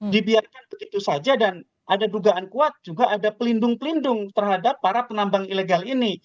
dibiarkan begitu saja dan ada dugaan kuat juga ada pelindung pelindung terhadap para penambang ilegal ini